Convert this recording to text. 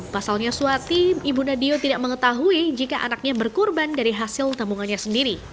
pasalnya suati ibu nadio tidak mengetahui jika anaknya berkurban dari hasil tabungannya sendiri